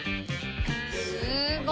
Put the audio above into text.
すごーい！